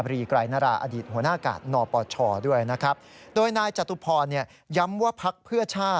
กรณีนี้ทางด้านของประธานกรกฎาได้ออกมาพูดแล้ว